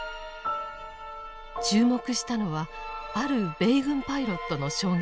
注目したのはある米軍パイロットの証言です。